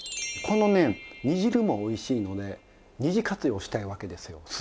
このね煮汁もおいしいので二次活用したいわけですよ